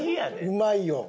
うまいよ。